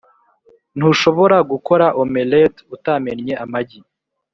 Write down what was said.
ntushobora gukora omelette utamennye amagi